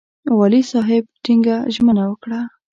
والي صاحب ټینګه ژمنه وکړه.